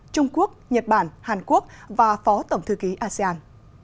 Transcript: trung quốc nhật bản hàn quốc và phó tổng thư ký asean